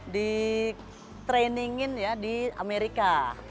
di training in ya di amerika